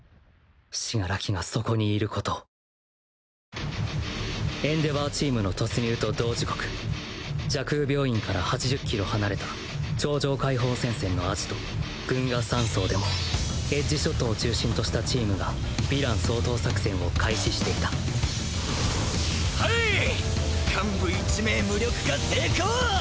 死柄木がそこにいることをエンデヴァーチームの突入と同時刻蛇腔病院から８０キロ離れた超常解放戦線のアジト群訝山荘でもエッジショットを中心としたチームがヴィラン掃討作戦を開始していたハイ幹部１名無力化成功！